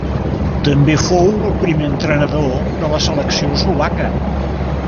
També fou el primer entrenador de la selecció eslovaca.